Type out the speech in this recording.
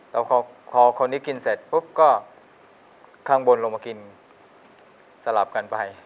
แล้วพอคนนี้กินเสร็จปุ๊บก็ข้างบนลงมากินสลับกันไป